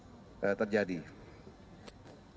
sebab kalau itu terjadi maka ini akan menjadi kewajiban negara